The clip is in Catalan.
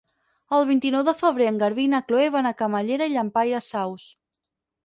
El vint-i-nou de febrer en Garbí i na Chloé van a Camallera i Llampaies Saus.